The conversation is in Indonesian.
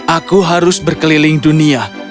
aku harus berkeliling dunia